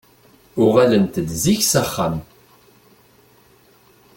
Uɣalent-d zik s axxam.